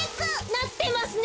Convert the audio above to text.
なってますね。